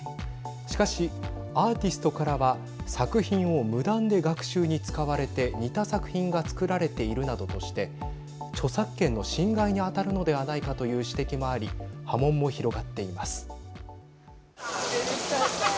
しかしアーティストからは作品を無断で学習に使われて似た作品が作られているなどとして著作権の侵害に当たるのではないかという指摘もあり波紋も広がっています。